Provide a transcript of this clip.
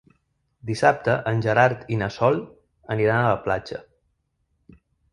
Dissabte en Gerard i na Sol aniran a la platja.